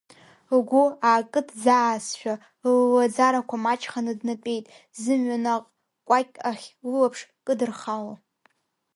Лгәы аакыдӡаазшәа, ллаӡарақәа маҷханы днатәеит, зымҩа наҟ кәакьк ахь лылаԥш кыдырхало.